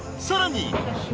［さらに］